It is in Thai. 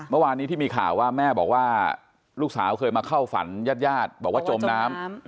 เมื่อวานนี้ที่มีข่าวว่าแม่บอกว่าลูกสาวเคยมาเข้าฝันญาติญาติบอกว่าจมน้ำ